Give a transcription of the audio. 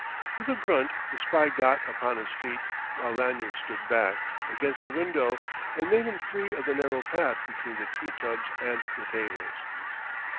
With a grunt the spy got upon his feet, while Lanyard stood back, against the window, and made him free of the narrow path between the tree tubs and the tables.